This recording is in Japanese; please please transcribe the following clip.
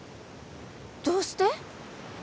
どうして？